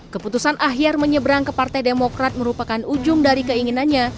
keputusan akhir menyeberang ke partai demokrat merupakan ujung dari keinginannya